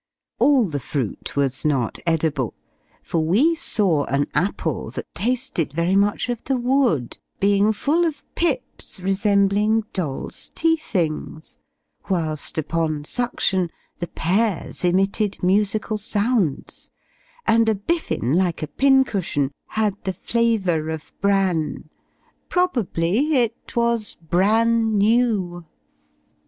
All the fruit was not edible, for we saw an apple that tasted very much of the wood, being full of pips resembling doll's tea things; whilst, upon suction, the pears emitted musical sounds; and a biffin, like a pincushion, had the flavour of bran probably it was bran new.